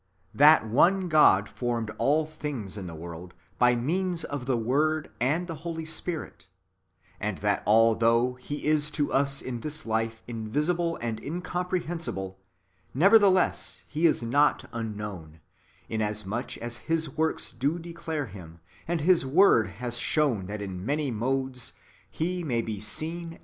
— TJiat one God formed all tilings in the ivorldy by means of the Word and the Holy Spirit : and that although lie is to us in this life invisible and incomjore hensible, nevertheless He is not unhioiim ; inasmuch as His ivorhs do declare Him, and His Word has shoivn that in many modes He may be seen and knoion.